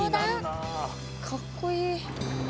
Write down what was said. かっこいい。